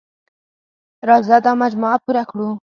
راځه دا مجموعه پوره کړو.